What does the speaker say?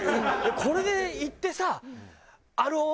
まずこれで行ってさ。